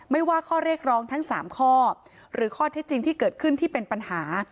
ว่าข้อเรียกร้องทั้ง๓ข้อหรือข้อเท็จจริงที่เกิดขึ้นที่เป็นปัญหา